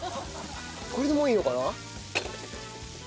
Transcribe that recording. これでもういいのかな？